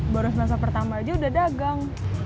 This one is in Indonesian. baru semasa pertama aja udah dagang